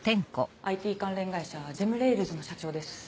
ＩＴ関連会社ジェムレイルズの社長です。